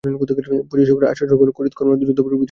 পারসীকরা ছিল আশ্চর্যরকমে করিতকর্মা, যুদ্ধপ্রিয়, বিজেতা জাতি।